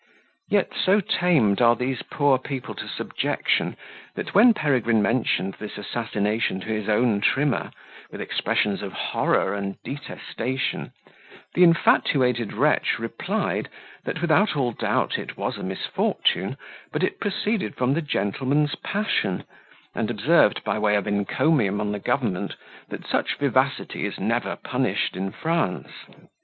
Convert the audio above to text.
Yet so tamed are those poor people to subjection, that when Peregrine mentioned this assassination to his own trimmer, with expressions of horror and detestation, the infatuated wretch replied, that without all doubt it was a misfortune, but it proceeded from the gentleman's passion; and observed, by way of encomium on the government, that such vivacity is never punished in France.